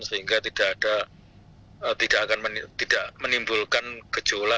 sehingga tidak akan menimbulkan gejolak